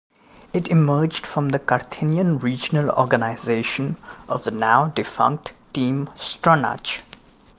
It emerged from the Carinthian regional organization of the now defunct Team Stronach.